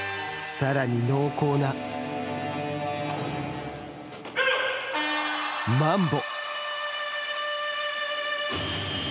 さらに、濃厚なマンボ！